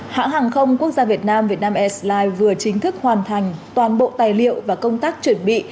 hãng hàng không quốc gia việt nam vietnam airlines vừa chính thức hoàn thành toàn bộ tài liệu và công tác chuẩn bị